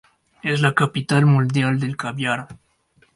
Es la capital mundial del caviar.